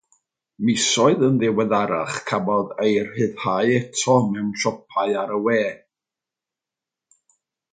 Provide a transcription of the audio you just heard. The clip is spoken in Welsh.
Misoedd yn ddiweddarach cafodd ei rhyddhau eto mewn siopau ar y we.